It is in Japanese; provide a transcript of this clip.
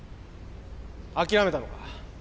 諦めたのか？